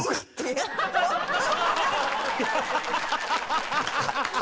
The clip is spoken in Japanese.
ハハハハ！